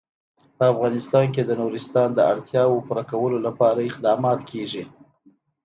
په افغانستان کې د نورستان د اړتیاوو پوره کولو لپاره اقدامات کېږي.